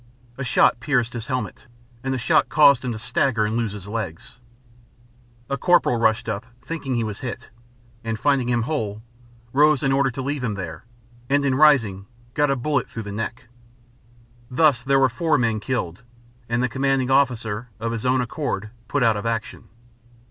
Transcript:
A shot pierced his helmet, and the shock caused him to stagger and lose his legs. A corporal rushed up, thinking he was hit, and, finding him whole, rose, in order to leave him there, and, in rising, got a bullet through the neck. Thus there were four men killed, and the Commanding Officer, of his own accord, put out of action.